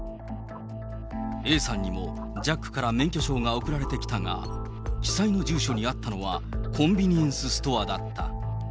Ａさんにもジャックから免許証が送られてきたが、記載の住所にあったのは、コンビニエンスストアだった。